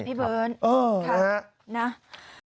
พี่เบิร์นครับ